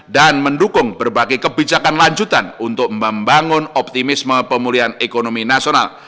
mendukung berbagai kebijakan lanjutan untuk membangun optimisme pemulihan ekonomi nasional